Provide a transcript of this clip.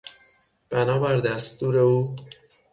بنابر دستور او